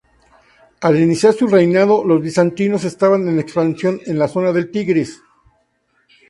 Al iniciar su reinado los bizantinos estaban en expansión en la zona del Tigris.